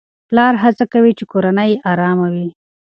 پلار هڅه کوي چې کورنۍ يې آرامه وي.